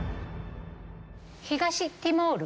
東ティモール。